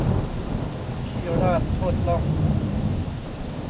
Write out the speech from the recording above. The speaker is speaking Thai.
ขี้ราดโทษล่อง